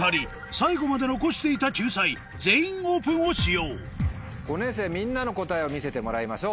最後まで残していた救済「全員オープン」を使用５年生みんなの答えを見せてもらいましょう。